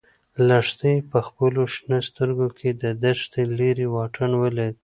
لښتې په خپلو شنه سترګو کې د دښتې لیرې واټن ولید.